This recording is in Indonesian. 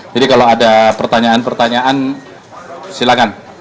jadi kalau ada pertanyaan pertanyaan silakan